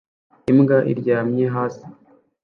Imbwa aryamye hasi